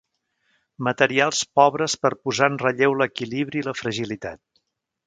Materials pobres per posar en relleu l'equilibri i la fragilitat.